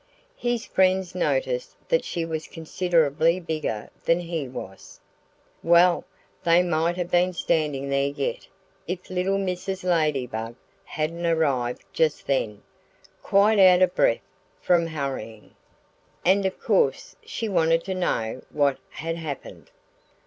His friends noticed that she was considerably bigger than he was. Well, they might have been standing there yet if little Mrs. Ladybug hadn't arrived just then, quite out of breath from hurrying. And of course she wanted to know what had happened.